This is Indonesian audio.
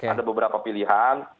ada beberapa pilihan